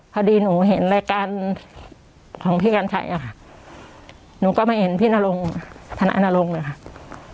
พอดีหนูเห็นรายการของพี่กัญชัยอะค่ะหนูก็ไม่เห็นพี่นรงธนารงค์เลยค่ะ